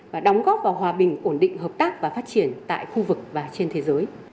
và đóng góp vào hòa bình ổn định hợp tác và phát triển tại khu vực và trên thế giới